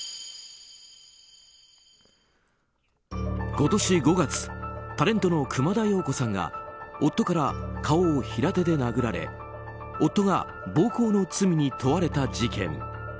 今年５月タレントの熊田曜子さんが夫から顔を平手で殴られ夫が暴行の罪に問われた事件。